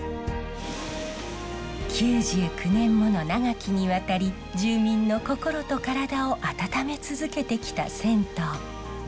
９９年もの長きにわたり住民の心と体を温め続けてきた銭湯。